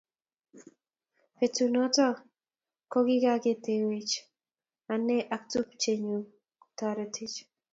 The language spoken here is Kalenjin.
Betunotok kokikakitetweech anee ak tupchenyu ketoretech.